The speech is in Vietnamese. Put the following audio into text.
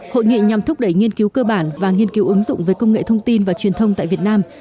hội nghị nhằm thúc đẩy nghiên cứu cơ bản và nghiên cứu ứng dụng về công nghệ thông tin và truyền thông tại việt nam